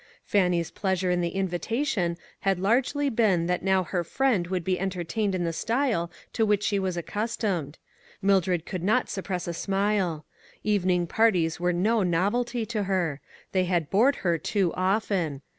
Fannie's pleasure in the invitation hud largely been that now her friend would be enter tained in the style to which she was accus tomed. Mildred could not repress a smile. Evening parties were no novelty to her ; they had bored her too often.